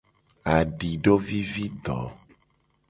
Adidovivido.